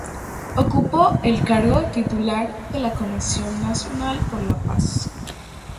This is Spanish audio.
Ocupó el cargo de titular de la Comisión Nacional por la Paz.